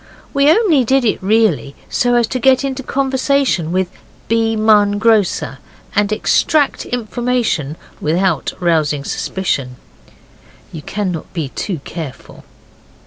We only did it, really, so as to get into conversation with B. Munn, grocer, and extract information without rousing suspicion. You cannot be too careful.